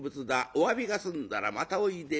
おわびが済んだらまたおいで。